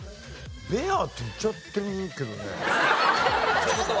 「ｂｅａｒ」って言っちゃってるけどね。